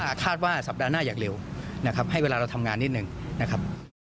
คาดว่าสัปดาห์หน้าอยากเร็วนะครับให้เวลาเราทำงานนิดนึงนะครับ